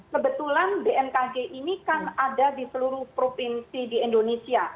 kebetulan bmkg ini kan ada di seluruh provinsi di indonesia